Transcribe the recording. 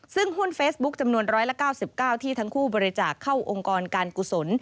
ซึ่งหุ้นเฟซบุ๊คจำนวน๑๙๙ที่ทั้งคู่บริจาคเข้าองค์กรการกุศล